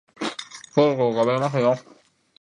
そろそろ食べますよ